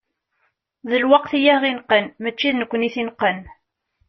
D lweqt i aɣ-ineqqen, mačči d nekkni i t-ineqqen.